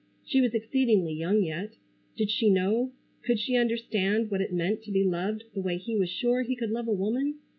She was exceedingly young yet. Did she know, could she understand what it meant to be loved the way he was sure he could love a woman?